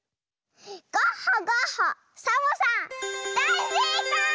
ゴッホゴッホサボさんだいせいかい！